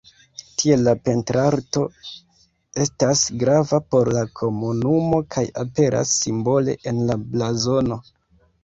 Tiel la pentrarto estas grava por la komunumo kaj aperas simbole en la blazono.